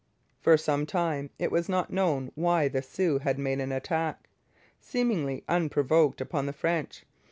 For some time it was not known why the Sioux had made an attack, seemingly unprovoked, upon the French.